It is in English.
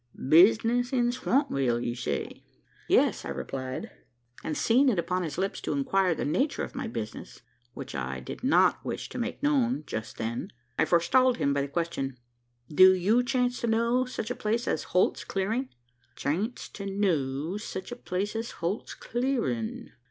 "Business in Swampville, you say?" "Yes," I replied; and, seeing it upon his lips to inquire the nature of my business which I did not wish to make known just then I forestalled him by the question: "Do you chance to know such a place as Holt's Clearing?" "Chance to know such a place as Holt's Clearin'?"